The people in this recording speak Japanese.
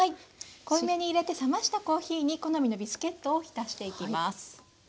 濃いめにいれて冷ましたコーヒーに好みのビスケットを浸していきます。